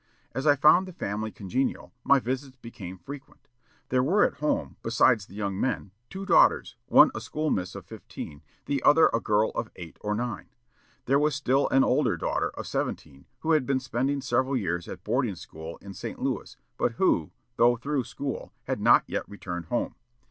As I found the family congenial, my visits became frequent. There were at home, besides the young men, two daughters, one a school miss of fifteen, the other a girl of eight or nine. There was still an older daughter, of seventeen, who had been spending several years at boarding school in St. Louis, but who, though through school, had not yet returned home....